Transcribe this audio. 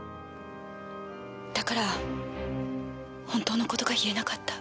だから本当の事が言えなかった。